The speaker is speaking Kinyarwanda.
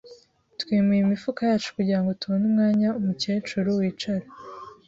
Twimuye imifuka yacu kugirango tubone umwanya umukecuru wicara.